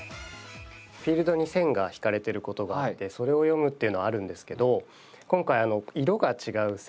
フィールドに線が引かれてることがあってそれを読むっていうのはあるんですけど今回色が違う線。